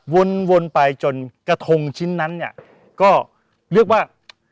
วนไปจนกระทงชิ้นนั้นเนี่ยก็เรียกว่า